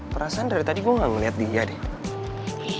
perasaan dari tadi gue gak ngeliat dia deh